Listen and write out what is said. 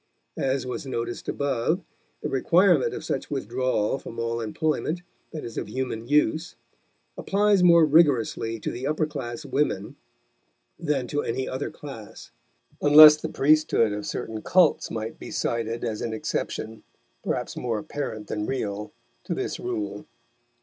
As was noticed above, the requirement of such withdrawal from all employment that is of human use applies more rigorously to the upper class women than to any other class, unless the priesthood of certain cults might be cited as an exception, perhaps more apparent than real, to this rule.